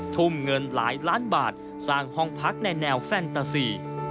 ทุ่มเงินหลายล้านบาทสร้างห้องพักในแนวแฟนตาซี